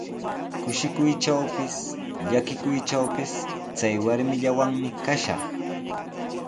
Kushikuytrawpis, llakikuytrawpis chay warmillawanmi kashaq.